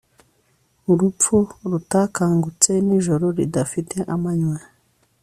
urupfu rutakangutse nijoro ridafite amanywa